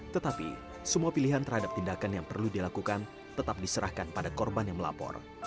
tetapi semua pilihan terhadap tindakan yang perlu dilakukan tetap diserahkan pada korban yang melapor